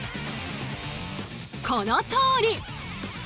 このとおり！